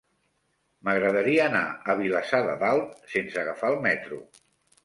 M'agradaria anar a Vilassar de Dalt sense agafar el metro.